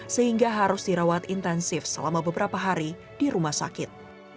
sehingga harus dirawat intensif selama beberapa hari di rumah sakit